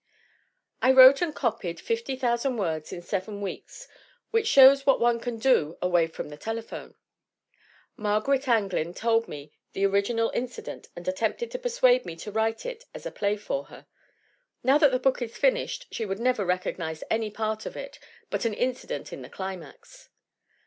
"I wrote and copied 50,000 words in seven weeks which shows what one can do away from the tele phone. ^ Margaret Anglin told me the original inci dent and attempted to persuade me to write it as a play for her. Now that the book is finished she would never recognize any part of it but an incident in the climax.